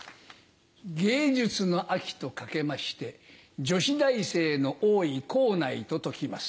「芸術の秋」と掛けまして女子大生の多い校内と解きます。